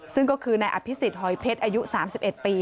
ซึ่งก็คือนายอภิษฎหอยเพชรอายุ๓๑ปี